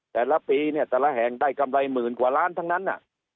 แต่ละปีเนี่ยแต่ละแห่งได้กำไรหมื่นกว่าล้านทั้งนั้น